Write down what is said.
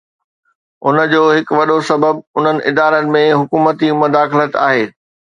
ان جو هڪ وڏو سبب انهن ادارن ۾ حڪومتي مداخلت آهي.